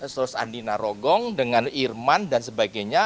terus andi narogong dengan irman dan sebagainya